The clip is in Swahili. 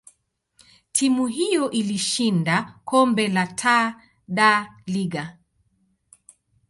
timu hiyo ilishinda kombe la Taa da Liga.